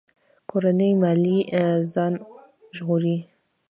کورنۍ ماليې ځان ژغوري.